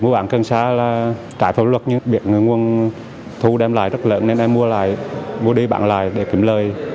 mua bán cần sa là trái phép luật nhưng bị người nguồn thu đem lại rất lớn nên em mua lại mua đi bán lại để kiếm lời